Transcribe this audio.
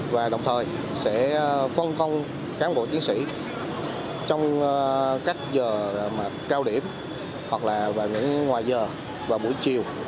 và đồng thời sẽ phân công cán bộ chiến sĩ trong các giờ cao điểm hoặc là vào những ngoài giờ và buổi chiều